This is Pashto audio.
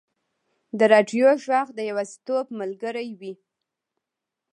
د راډیو ږغ د یوازیتوب ملګری وي.